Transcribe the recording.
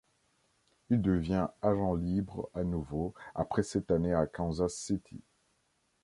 Il devient agent libre à nouveau après cette année à Kansas City.